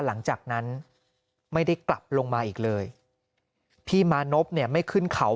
หลังจากนั้นไม่ได้กลับลงมาอีกเลยพี่มานพเนี่ยไม่ขึ้นเขา